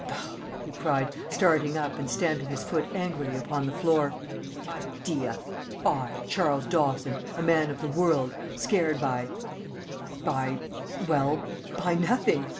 "Bah!" he cried, starting up and stamping his foot angrily upon the floor. "The idea! I, Charles Dawson, a man of the world, scared by by well, by nothing.